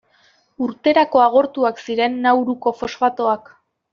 Urterako agortuak ziren Nauruko fosfatoak.